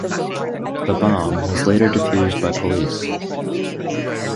The bomb was later defused by police.